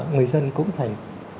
người dân cũng phải